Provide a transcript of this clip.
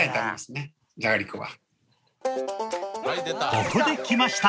ここできました！